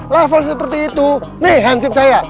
level seperti itu nih hansip saya